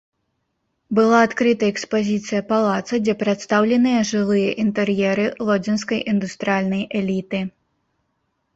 Была адкрыта экспазіцыя палаца, дзе прадстаўленыя жылыя інтэр'еры лодзінскай індустрыяльнай эліты.